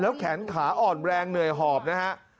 แขนขาอ่อนแรงเหนื่อยหอบนะฮะ